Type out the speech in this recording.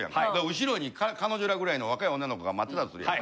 後ろに彼女らぐらいの若い女の子が待ってたとするやん。